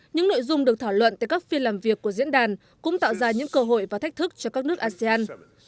những nội dung được thảo luận tại các phiên làm việc của diễn đàn cũng tạo ra những cơ hội và thách thức cho các nước asean